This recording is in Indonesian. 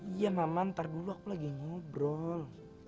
iya mama ntar dulu aku lagi ngobrol